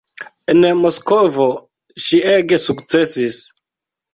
En Moskvo ŝi ege sukcesis.